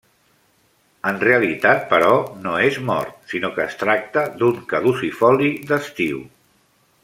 En realitat però, no és mort sinó que es tracta d'un caducifoli d'estiu.